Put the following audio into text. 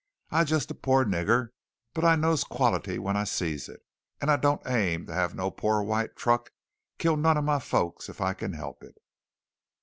"I jest a pore nigger, but I knows quality when I sees it, and I don't aim to have no pore white truck kill none of my folks if I can help it."